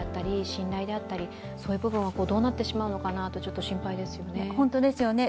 信頼であったり、そういう部分はどうなってしまうのかなと心配ですよね。